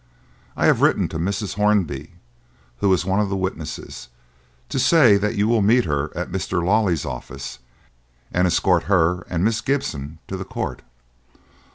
I have written to Mrs. Hornby, who is one of the witnesses, to say that you will meet her at Mr. Lawley's office and escort her and Miss Gibson to the court.